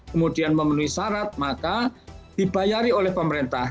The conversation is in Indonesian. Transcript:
kemudian memenuhi syarat maka dibayari oleh pemerintah